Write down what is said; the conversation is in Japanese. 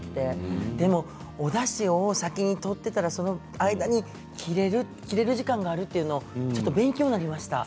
でもおだしを先に取っていたらその間に切れる時間があるというのは勉強になりました。